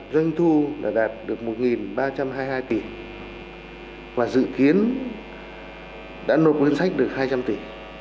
doanh thu đã đạt được một ba trăm hai mươi hai tỷ và dự kiến đã nộp ngân sách được hai trăm linh tỷ